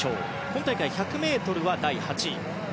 今大会１００ｍは第８位。